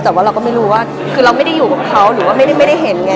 แต่ว่าเราก็ไม่รู้ว่าคือเราไม่ได้อยู่กับเขาหรือว่าไม่ได้เห็นไง